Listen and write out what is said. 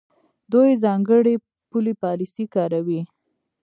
دوی ځانګړې پولي پالیسۍ کاروي.